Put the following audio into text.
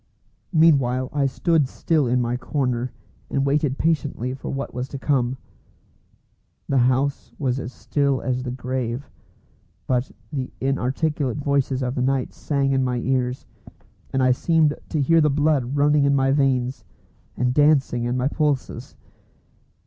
Meanwhile I stood still in my corner, and waited patiently for what was to come. The house was as still as the grave, but the inarticulate voices of the night sang in my ears, and I seemed to hear the blood running in my veins and dancing in my pulses.